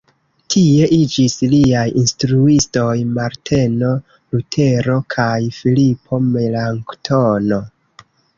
Tie iĝis liaj instruistoj Marteno Lutero kaj Filipo Melanktono.